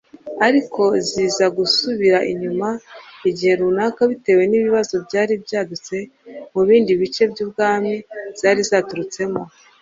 ariko ziza gusubira inyuma igihe runaka bitewe n'ibibazo byari byadutse mu bindi bice by'ubwami zari zaturutsemo